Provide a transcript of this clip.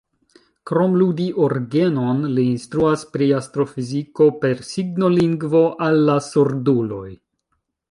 Krom ludi orgenon, li instruas pri astrofiziko per signolingvo al la surduloj.